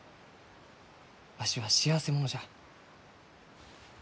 わしは幸せ者じゃ。